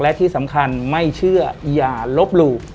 และที่สำคัญไม่เชื่ออย่าลบหลู่